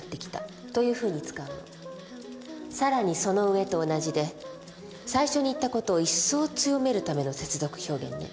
「更にその上」と同じで最初に言った事を一層強めるための接続表現ね。